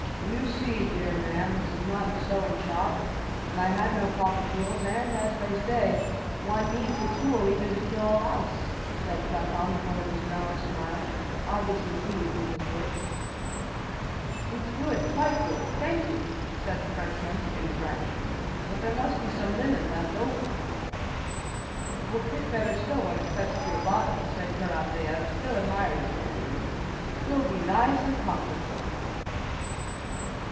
"You see, dear man, this is not a sewing shop, and I had no proper tools; and, as they say, one needs a tool even to kill a louse," said Platón with one of his round smiles, obviously pleased with his work. "It's good, quite good, thank you," said the Frenchman, in French, "but there must be some linen left over." "It will fit better still when it sets to your body," said Karatáev, still admiring his handiwork. "You'll be nice and comfortable...."